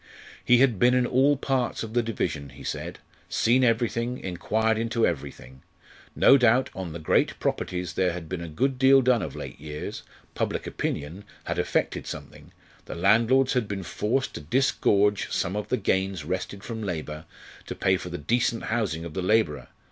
He had been in all parts of the division, he said; seen everything, inquired into everything. No doubt, on the great properties there had been a good deal done of late years public opinion had effected something, the landlords had been forced to disgorge some of the gains wrested from labour, to pay for the decent housing of the labourer.